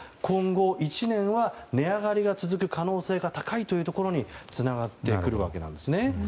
今後１年は値上がりが続く可能性が高いというところにつながってくるわけなんです。